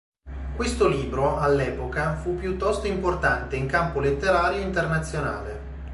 Questo libro, all'epoca, fu piuttosto importante in campo letterario internazionale.